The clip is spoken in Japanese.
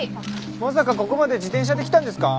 まさかここまで自転車で来たんですか？